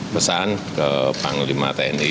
pesan ke panglima tni